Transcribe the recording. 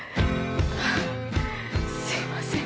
はぁすいません。